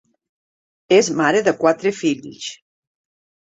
És mare de quatre fills.